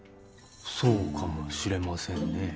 あそうかもしれませんね